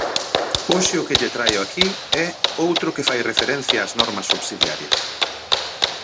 Hoxe o que lle traio aquí é outro que fai referencia ás normas subsidiarias.